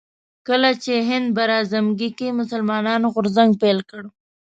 کله چې هند براعظمګي کې مسلمانانو غورځنګ پيل کړ